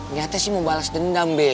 ternyata mau balas dendam be